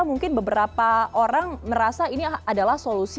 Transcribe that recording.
mungkin beberapa orang merasa ini adalah solusi